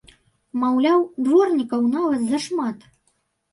Маўляў, дворнікаў нават зашмат!